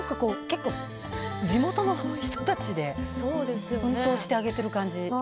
地元の人たちで奮闘して上げてる感じ。